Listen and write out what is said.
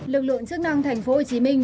lực lượng chức năng thành phố hồ chí minh